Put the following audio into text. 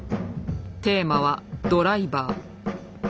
テーマは「ドライバー」。